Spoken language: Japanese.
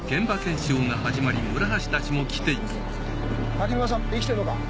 垣沼さん生きてるのか？